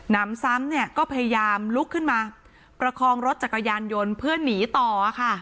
นำซ้ำเนี่ยก็พยายามลุกขึ้นมาประคองรถจักรยานยนต์เพื่อหนีต่อค่ะ